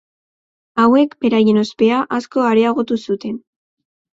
Hauek beraien ospea asko areagotu zuten.